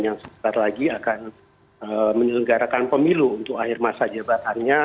yang sebentar lagi akan menyelenggarakan pemilu untuk akhir masa jabatannya